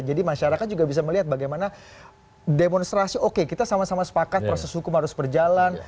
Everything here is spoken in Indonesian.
jadi masyarakat juga bisa melihat bagaimana demonstrasi oke kita sama sama sepakat proses hukum harus berjalan